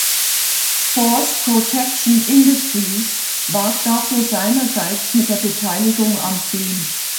Force Protection Industries warb dafür seinerseits mit der Beteiligung am Film.